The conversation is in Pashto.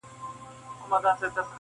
ښوره زاره مځکه نه کوي ګلونه-